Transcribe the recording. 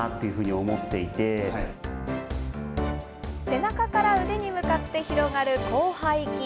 背中から腕に向かって広がる広背筋。